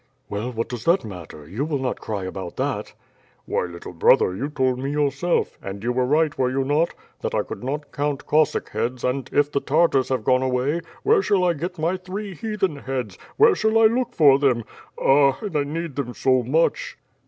"Well, what does that matter, you will not cry about that?" "Why, little brother, you told me yourself — ^and you were right, were you not, that I could not count Cossack heads and if the Tartars have gone away, where shall I get my three . heathen heads, where shall I look for them? Ah! And I need them so much